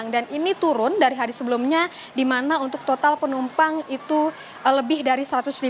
dan ini turun dari hari sebelumnya di mana untuk total penumpang itu lebih dari satu ratus lima puluh